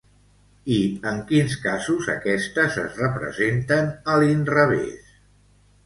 I en quins casos aquestes es representen a l'inrevés?